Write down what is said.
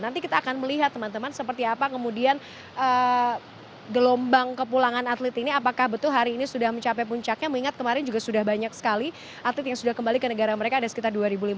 nanti kita akan melihat teman teman seperti apa kemudian gelombang kepulangan atlet ini apakah betul hari ini sudah mencapai puncaknya mengingat kemarin juga sudah banyak sekali atlet yang sudah kembali ke negara mereka ada sekitar dua lima ratus